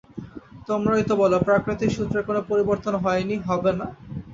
তোমরাই তো বল, প্রাকৃতিক সূত্রের কোনো পরিবর্তন হয় নি, হবে না।